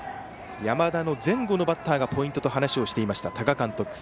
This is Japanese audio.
山田の前後のバッターがポイントと話していた多賀監督。